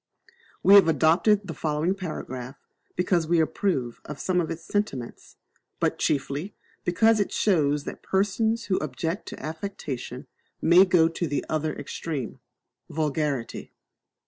We have adopted the foregoing Paragraph because we approve of some of its sentiments, but chiefly because it shows that persons who object to affectation may go to the other extreme vulgarity.